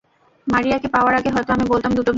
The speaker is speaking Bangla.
মারিয়াকে পাওয়ার আগে, হয়তো আমি বলতাম দুটো ভিন্ন।